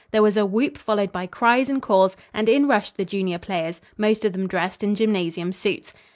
There was a whoop followed by cries and calls and in rushed the junior players, most of them dressed in gymnasium suits.